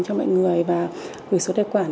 cho mọi người và gửi số tài quản